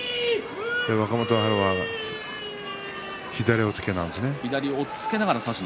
若元春は左押っつけなんですね。